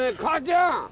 母ちゃん！